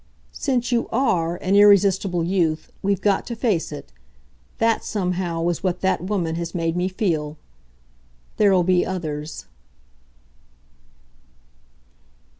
"Since you ARE an irresistible youth, we've got to face it. That, somehow, is what that woman has made me feel. There'll be others."